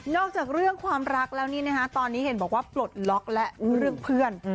จากเรื่องความรักแล้วนี่นะฮะตอนนี้เห็นบอกว่าปลดล็อกและเรื่องเพื่อน